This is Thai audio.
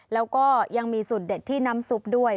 แล้วก็ยังมีสูตรเด็ดที่น้ำซุปด้วย